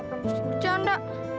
apa miskin bercanda